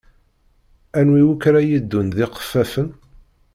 Anwi akk ara yeddun d iqeffafen?